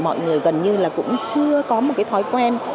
mọi người gần như là cũng chưa có một cái thói quen